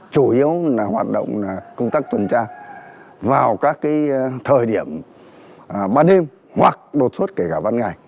chủ yếu là hoạt động công tác tuần tra vào các thời điểm ban đêm hoặc đột xuất kể cả ban ngày